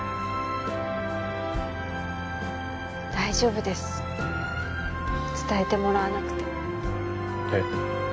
大丈夫です伝えてもらわなくてえっ？